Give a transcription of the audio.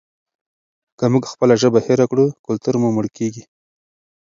که موږ خپله ژبه هېره کړو کلتور مو مړ کیږي.